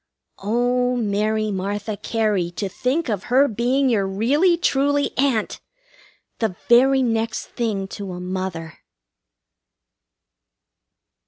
Oh, Mary Martha Cary, to think of her being your really, truly Aunt! The very next thing to a mother!